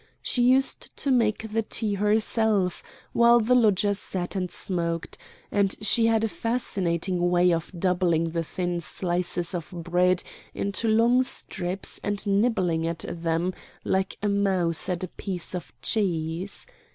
She used to make the tea herself, while the lodger sat and smoked; and she had a fascinating way of doubling the thin slices of bread into long strips and nibbling at them like a mouse at a piece of cheese.